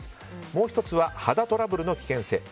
もう１つは、肌トラブルの危険性。